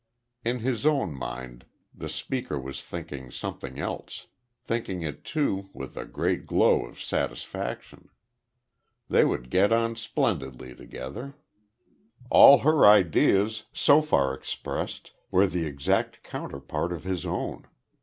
In his own mind the speaker was thinking something else; thinking it too, with a great glow of satisfaction. They would get on splendidly together. All her ideas, so far expressed, were the exact counterpart of his own.